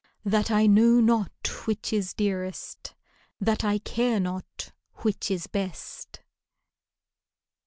That I know not which is dearest. That I care not which is best